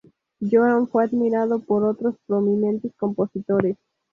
Johann fue admirado por otros prominentes compositores.